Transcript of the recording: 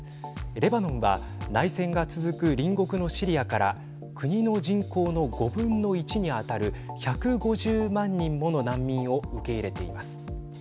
レバノンは内戦が続く隣国のシリアから国の人口の５分の１に当たる１５０万人もの難民を受け入れています。